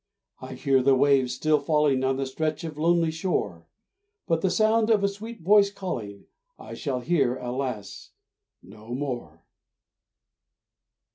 I hear the waves still falling On the stretch of lonely shore, But the sound of a sweet voice calling I shall hear, alas! no more.